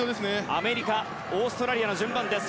アメリカオーストラリアの順番です。